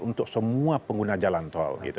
untuk semua pengguna jalan tol